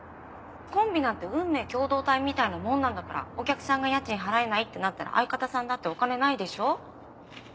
コンビなんて運命共同体みたいなもんなんだからお客さんが家賃払えないってなったら相方さんだってお金ないでしょ。